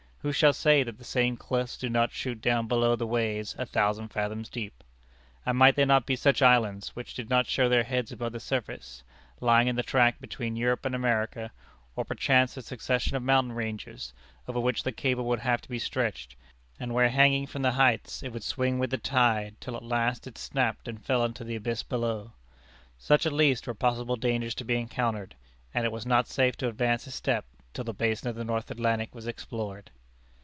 Who shall say that the same cliffs do not shoot down below the waves a thousand fathoms deep? And might there not be such islands, which did not show their heads above the surface, lying in the track between Europe and America: or perchance a succession of mountain ranges, over which the cable would have to be stretched, and where hanging from the heights it would swing with the tide, till at last it snapped and fell into the abyss below? Such at least were possible dangers to be encountered; and it was not safe to advance a step till the basin of the North Atlantic was explored.